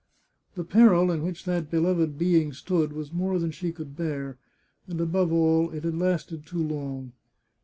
The peril in which that beloved being stood was more than she could bear, and above all, it had lasted too long.